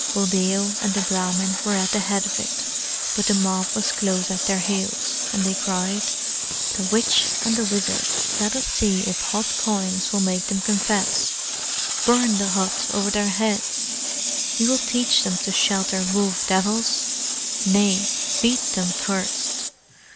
Buldeo and the Brahmin were at the head of it, but the mob was close at their heels, and they cried, "The witch and the wizard! Let us see if hot coins will make them confess! Burn the hut over their heads! We will teach them to shelter wolf devils! Nay, beat them first!